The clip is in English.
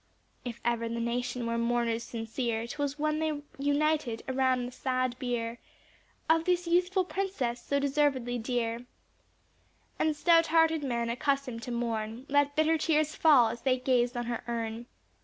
If ever the nation were mourners sincere, 'Twas when they united around the sad bier Of this youthful princess so deservedly dear; And stout hearted men unaccustomed to mourn, Let bitter tears fall, as they gazed on her urn.